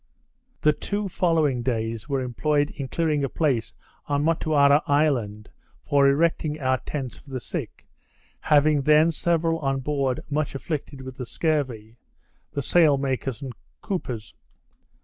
The two following days were employed in clearing a place on Motuara Island for erecting our tents for the sick (having then several on board much afflicted with the scurvy), the sail makers and coopers.